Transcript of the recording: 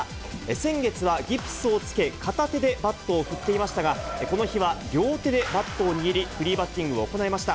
先月はギプスをつけ、片手でバットを振っていましたが、この日は両手でバットを握り、フリーバッティングを行いました。